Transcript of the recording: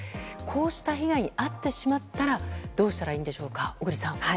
こうした被害に遭ってしまったらどうしたらいいんでしょうか小栗さん。